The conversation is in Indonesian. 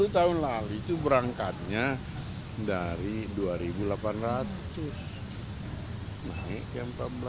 sepuluh tahun lalu itu berangkatnya dari dua delapan ratus naik ke empat belas